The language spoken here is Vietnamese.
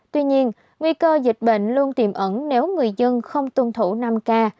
tuy nhiên nguy cơ dịch bệnh luôn tiềm ẩn nếu người dân không tuân thủ năm k